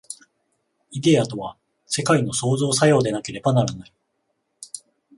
イデヤとは世界の創造作用でなければならない。